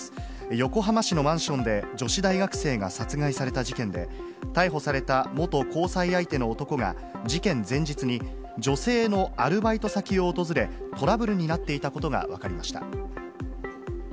横浜市のマンションで、女子大学生が殺害された事件で、逮捕された元交際相手の男が、事件前日に、女性のアルバイト先を訪れ、トラブルになっていたことが分かりました。